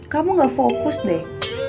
kamu gak fokus deh